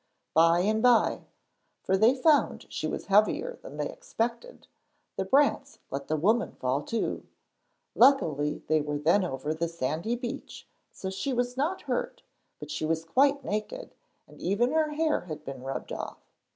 By and bye for they found she was heavier than they expected the brants let the woman fall too. Luckily they were then over the sandy beach so she was not hurt, but she was quite naked and even her hair had been rubbed off.